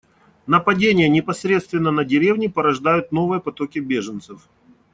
Нападения непосредственно на деревни порождают новые потоки беженцев.